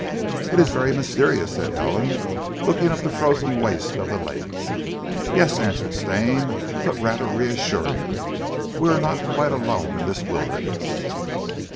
"It is very mysterious," said Helen, looking up the frozen waste of the lake. "Yes," answered Stane, "but rather reassuring. We are not quite alone in this wilderness.